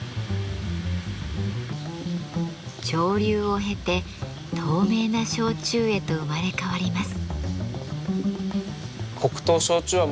蒸留を経て透明な焼酎へと生まれ変わります。